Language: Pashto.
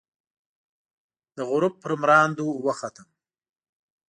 د غروب پر مراندو، وختم